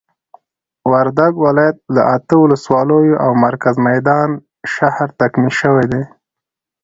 وردګ ولايت له اته ولسوالیو او مرکز میدان شهر تکمیل شوي دي.